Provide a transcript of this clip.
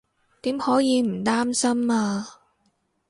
點可以唔擔心啊